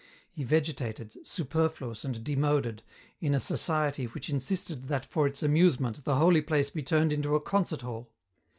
He vegetated, superfluous and demoded, in a society which insisted that for its amusement the holy place be turned into a concert hall.